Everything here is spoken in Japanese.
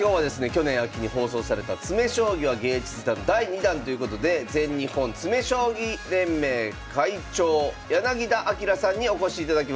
去年秋に放送された「詰将棋は芸術だ！」の第２弾ということで全日本詰将棋連盟会長柳田明さんにお越しいただきました。